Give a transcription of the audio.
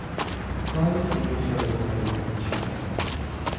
Clive King started writing as a child.